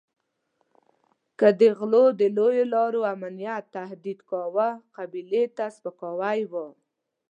که غلو د لویو لارو امنیت تهدید کاوه قبیلې ته سپکاوی وو.